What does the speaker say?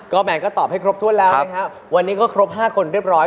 แมนก็ตอบให้ครบถ้วนแล้วนะครับวันนี้ก็ครบ๕คนเรียบร้อย